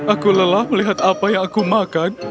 aku lelah melihat apa yang aku makan